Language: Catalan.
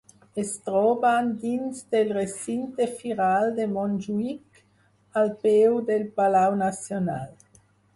Es troben dins del recinte firal de Montjuïc, al peu del palau Nacional.